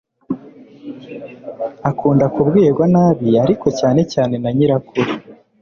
Akunda kubwirwa nabi ariko cyane cyane na nyirakuru,